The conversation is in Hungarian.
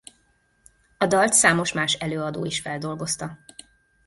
A dalt számos más előadó is feldolgozta.